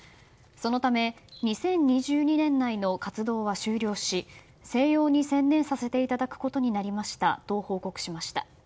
そのため、２０２２年内の活動は終了し静養に専念させていただくことになりましたと報告しました。